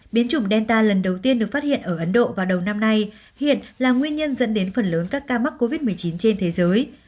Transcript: biến chủng delta lần đầu tiên được phát hiện ở ấn độ vào đầu năm nay hiện là nguyên nhân dẫn đến phần lớn các ca mắc covid một mươi chín trên thế giới